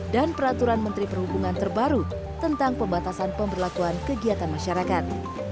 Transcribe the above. dan peraturan menteri perhubungan terbaru tentang pembatasan pemberlakuan kegiatan masyarakat